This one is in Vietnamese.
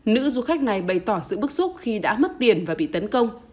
nữ du khách này bày tỏ sự bức xúc khi đã mất tiền và bị tấn công